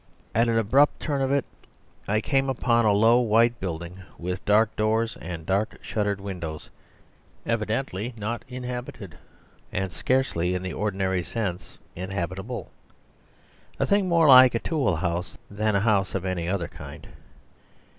At an abrupt turn of it I came upon a low white building, with dark doors and dark shuttered windows, evidently not inhabited and scarcely in the ordinary sense inhabitable a thing more like a toolhouse than a house of any other kind.